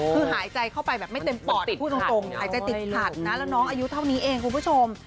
คือหายใจเข้าไปแบบไม่เต็มปอดพูดตรงหายใจติดขัดนะแล้วน้องอายุเท่านี้เองคุณผู้ชม